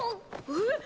えっ？